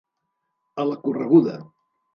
A la correguda.